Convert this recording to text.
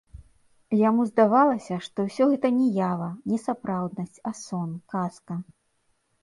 Яму здавалася, што ўсё гэта не ява, не сапраўднасць, а сон, казка.